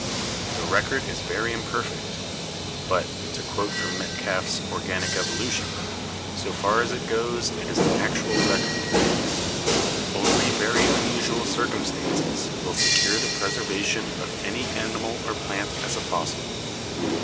The record is very imperfect, "but," to quote from Metcalfs 'Organic Evolution' "so far as it goes it is an actual record. Only very unusual circumstances will secure the preservation of any animal or plant as a fossil.